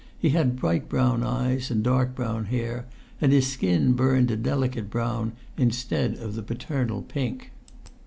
He had bright brown eyes and dark brown hair, and his skin burnt a delicate brown instead of the paternal pink.